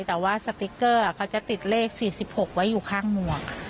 แต่ว่าสติ๊กเกอร์เขาจะติดเลข๔๖ไว้อยู่ข้างหมวก